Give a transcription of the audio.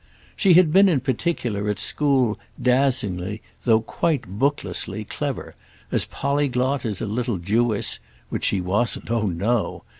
She had been in particular, at school, dazzlingly, though quite booklessly, clever; as polyglot as a little Jewess (which she wasn't, oh no!)